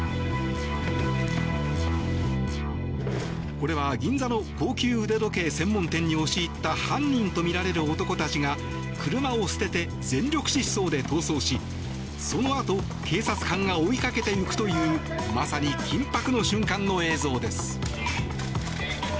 これは、銀座の高級腕時計専門店に押し入った犯人とみられる男たちが車を捨てて全力疾走で逃走しそのあと、警察官が追いかけていくというまさに緊迫の瞬間の映像です。